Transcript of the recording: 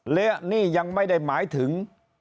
และนี่ยังไม่ได้หมายถึง